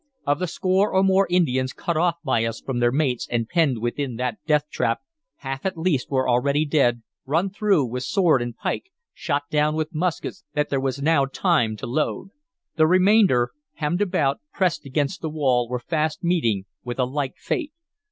Of the score or more Indians cut off by us from their mates and penned within that death trap, half at least were already dead, run through with sword and pike, shot down with the muskets that there was now time to load. The remainder, hemmed about, pressed against the wall, were fast meeting with a like fate.